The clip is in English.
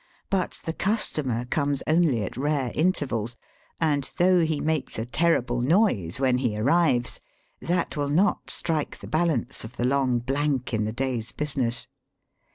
But the customer comes only at rare intervals, and though he makes a terrible noise when he arrives, that will not strike the balance of the long blank in the day's business.